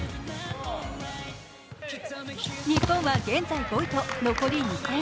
日本は現在５位と残り２戦。